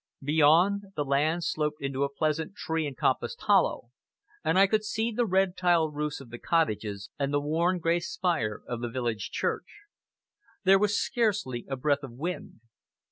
Beyond, the land sloped into a pleasant tree encompassed hollow, and I could see the red tiled roofs of the cottages, and the worn, grey spire of the village church. There was scarcely a breath of wind.